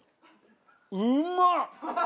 うまっ！